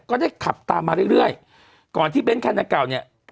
ก็ได้ขับตามมาเรื่อยเรื่อยก่อนที่เน้นคันดังเก่าเนี่ย